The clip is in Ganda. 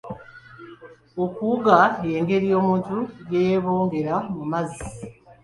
Okuwuga y'engeri omuntu gye yeebongera mu mazzi.